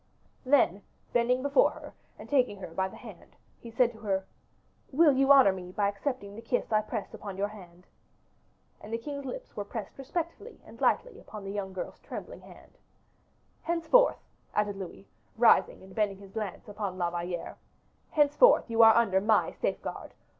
Then, bending before her, and taking her by the hand, he said to her, "Will you honor me by accepting the kiss I press upon your hand?" And the king's lips were pressed respectfully and lightly upon the young girl's trembling hand. "Henceforth," added Louis, rising and bending his glance upon La Valliere, "henceforth you are under my safeguard.